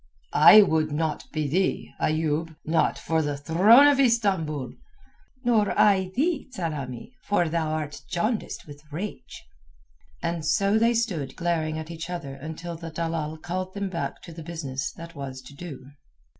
"I would not be thee, Ayoub—not for the throne of Istambul." "Nor I thee, Tsamanni; for thou art jaundiced with rage." And so they stood glaring each at the other until the dalal called them back to the business that was to do.